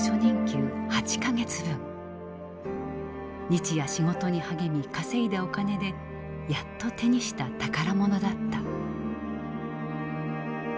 日夜仕事に励み稼いだお金でやっと手にした宝物だった。